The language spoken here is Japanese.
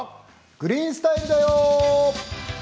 「グリーンスタイル」だよ。